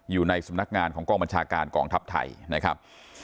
อยู่ในสำนักงานของกองบัญชาการกองทัพไทยนะครับ